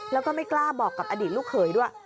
แล้วก็ไม่กล้าบอกกับอดีตลูกเขยด้วย